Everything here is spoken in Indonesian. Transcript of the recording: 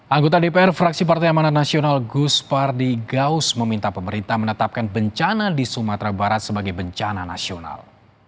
anggota dpr fraksi partai amanat nasional gus pardi gaus meminta pemerintah menetapkan bencana di sumatera barat sebagai bencana nasional